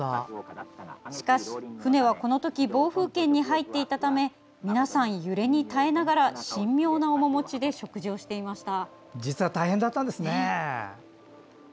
しかし、船はこのとき暴風圏に入っていたため皆さん、揺れに耐えながら神妙な面持ちで食事をしていました。